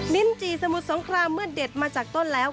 จีสมุทรสงครามเมื่อเด็ดมาจากต้นแล้ว